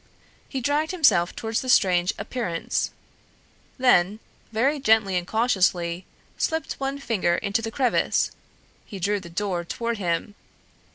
He dragged himself toward the strange appearance. Then, very gently and cautiously, slipping one finger into the crevice, he drew the door toward him.